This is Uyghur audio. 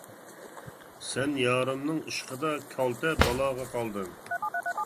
سەن يارىمنىڭ ئىشقىدا، كالتە بالاغا قالدىم.